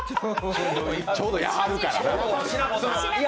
ちょうど、いはるから。